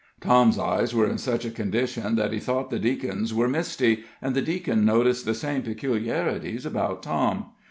Tom's eyes were in such a condition that he thought the deacon's were misty, and the deacon noticed the same peculiarities about Tom.